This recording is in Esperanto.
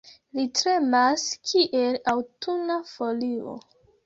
Li tremas, kiel aŭtuna folio.